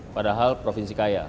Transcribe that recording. padahal provinsi kaya